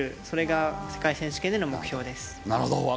それが世界選手権での目標です。